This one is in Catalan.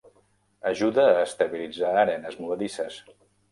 Ajuda a estabilitzar arenes movedisses.